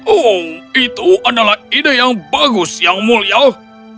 oh itu adalah ide yang bagus yang mulia